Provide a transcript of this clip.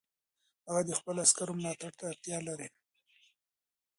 هغه د خپلو عسکرو ملاتړ ته اړتیا لري.